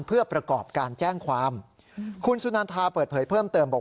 เพื่อประกอบการแจ้งความคุณสุนันทาเปิดเผยเพิ่มเติมบอก